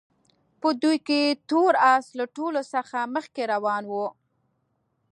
په دوی کې تور اس له ټولو څخه مخکې روان وو.